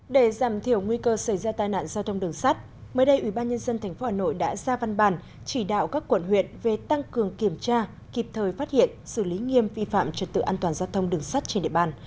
để giảm thiểu nguy cơ xảy ra tai nạn giao thông đường sắt mới đây ubnd tp hà nội đã ra văn bản chỉ đạo các quận huyện về tăng cường kiểm tra kịp thời phát hiện xử lý nghiêm vi phạm trật tự an toàn giao thông đường sắt trên địa bàn